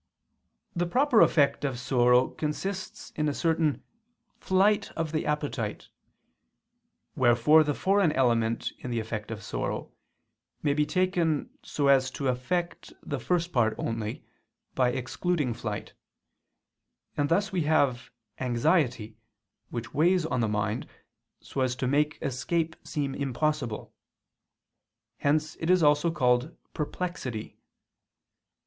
_ The proper effect of sorrow consists in a certain flight of the appetite. Wherefore the foreign element in the effect of sorrow, may be taken so as to affect the first part only, by excluding flight: and thus we have anxiety which weighs on the mind, so as to make escape seem impossible: hence it is also called _perplexity.